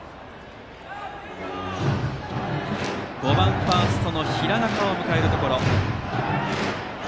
５番ファーストの平中を迎えるところ。